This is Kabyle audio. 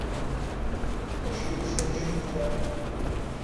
Acimi zgan cennfen?